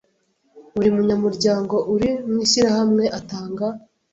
Buri munyamuryango uri mu ishyirahamwe atanga